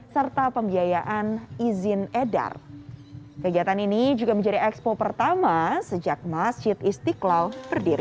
serta pembiayaan izin edar kegiatan ini juga menjadi expo pertama sejak masjid istiqlal berdiri